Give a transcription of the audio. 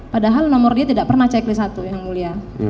padahal nomor dia tidak pernah checklist satu yang mulia